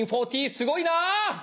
すごいなぁ！